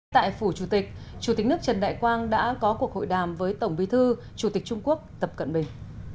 tại phủ chủ tịch chủ tịch nước trần đại quang đã có cuộc hội đàm với tổng bí thư chủ tịch trung quốc tập cận bình